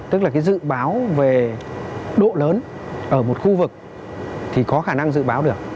tức là cái dự báo về độ lớn ở một khu vực thì có khả năng dự báo được